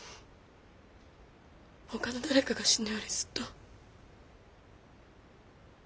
ほかの誰かが死ぬよりずっと。